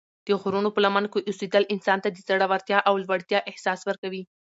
د غرونو په لمنو کې اوسېدل انسان ته د زړورتیا او لوړتیا احساس ورکوي.